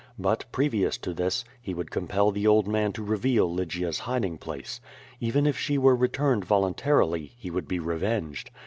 But, previous to this, he would compel the old man to reveal Lygia's hiding place. Even if she were returned voluntarily, he would be revenged.